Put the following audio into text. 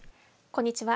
こんにちは